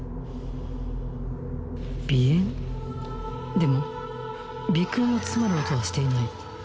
でも鼻腔の詰まる音はしていない